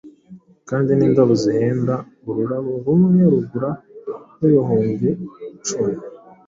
kandi ni indabo zihenda ururabo rumwe rugura nk’ibihumbi cumi